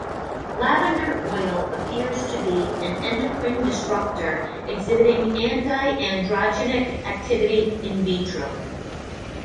Lavender oil appears to be an endocrine disruptor, exhibiting anti-androgenic activity in vitro.